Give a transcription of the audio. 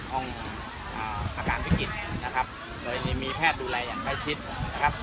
ห้องอาการวิกฤตนะครับโดยมีแพทย์ดูแลอย่างใกล้ชิดนะครับ